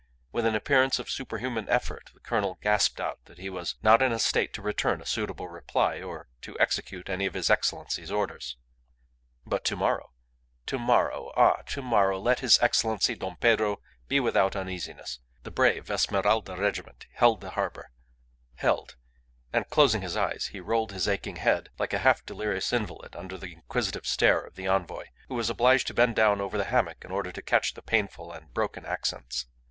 With an appearance of superhuman effort the colonel gasped out that he was not in a state to return a suitable reply or to execute any of his Excellency's orders. But to morrow! To morrow! Ah! to morrow! Let his Excellency Don Pedro be without uneasiness. The brave Esmeralda Regiment held the harbour, held And closing his eyes, he rolled his aching head like a half delirious invalid under the inquisitive stare of the envoy, who was obliged to bend down over the hammock in order to catch the painful and broken accents.